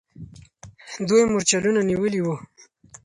دوی مرچلونه نیولي وو.